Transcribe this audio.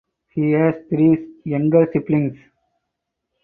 He has three younger siblings.